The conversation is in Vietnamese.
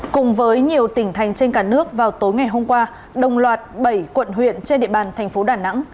cùng với nhiều tỉnh thành trên cả nước vào tối ngày hôm qua đồng loạt bảy quận huyện trên địa bàn thành phố đà nẵng